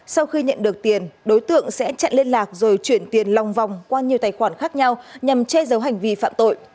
sau khi nhận được tiền đối tượng sẽ chặn liên lạc rồi chuyển tiền lòng vòng qua nhiều tài khoản khác nhau nhằm che giấu hành vi phạm tội